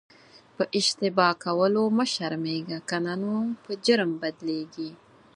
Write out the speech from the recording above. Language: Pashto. په اشتباه کولو مه شرمېږه که نه نو په جرم بدلیږي.